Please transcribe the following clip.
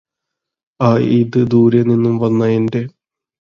ആ ഇത് ദൂരെനിന്നും വന്ന എന്റെ